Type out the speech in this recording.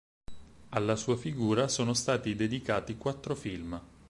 Alla sua figura sono stati dedicati quattro film.